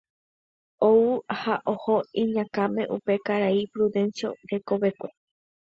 ou ha oho iñakãme upe karai Prudencio rekovekue.